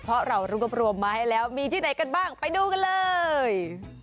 เพราะเรารวบรวมมาให้แล้วมีที่ไหนกันบ้างไปดูกันเลย